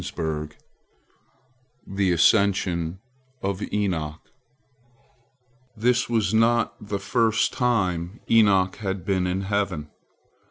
THE ASCENSION OF ENOCH This was not the first time Enoch had been in heaven.